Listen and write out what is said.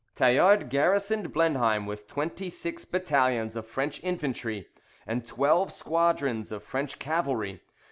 Tallard garrisoned Blenheim with twenty six battalions of French infantry, and twelve squadrons of French cavalry.